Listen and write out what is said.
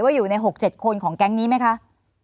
อยู่ใน๖๗คนของแก๊งนี้ไหมคะ